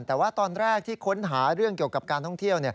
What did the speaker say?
แต่ว่าตอนแรกที่ค้นหาเรื่องเกี่ยวกับการท่องเที่ยว